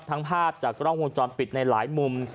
ภาพจากกล้องวงจรปิดในหลายมุม